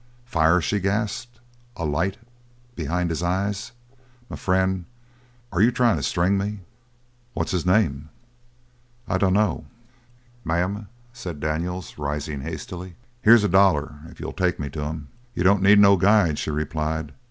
"Fire?" she gasped. "A light behind his eyes? M'frien', are you tryin' to string me?" "What's his name?" "I dunno." "Ma'am," said Daniels, rising hastily. "Here's a dollar if you'll take me to him." "You don't need no guide," she replied.